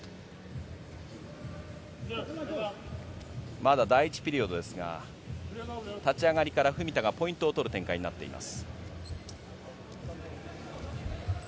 まだ第１ピリオドですが、立ち上がりから文田がポイントを取る展開になっています。